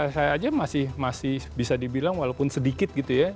dan saya aja masih bisa dibilang walaupun sedikit gitu ya